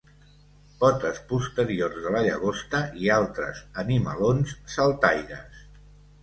Potes posteriors de la llagosta i altres animalons saltaires.